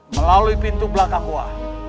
melalui pintu belakang gua